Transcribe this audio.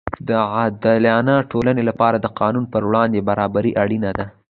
د عادلانه ټولنې لپاره د قانون پر وړاندې برابري اړینه ده.